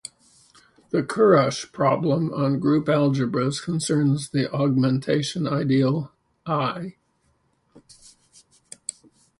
The Kurosh problem on group algebras concerns the augmentation ideal "I".